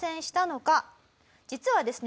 実はですね